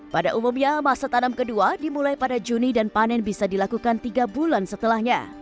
pada umumnya masa tanam kedua dimulai pada juni dan panen bisa dilakukan tiga bulan setelahnya